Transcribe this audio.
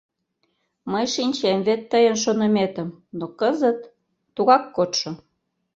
Мый шинчем вет тыйын шоныметым... но кызыт... тугак кодшо...